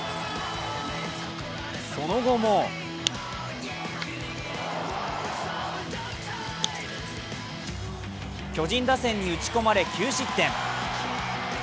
その後も巨人打線に打ち込まれ、９失点。